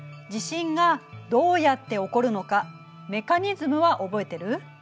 地震がどうやって起こるのかメカニズムは覚えてる？